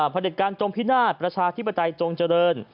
เด็จการจงพินาศประชาธิปไตยจงเจริญ